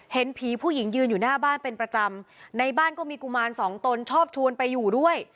เห็นผีผู้หญิงยืนอยู่หน้าบ้านเป็นประจำในบ้านก็มีกุมารสองตนชอบชวนไปอยู่ด้วย